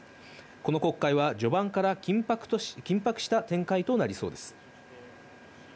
この国会は序盤から緊迫した展開となりそうです。